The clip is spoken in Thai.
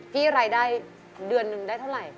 รายได้เดือนหนึ่งได้เท่าไหร่